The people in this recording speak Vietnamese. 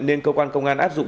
nên cơ quan công an áp dụng